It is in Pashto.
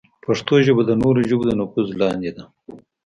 پښتو ژبه د نورو ژبو د نفوذ لاندې ده.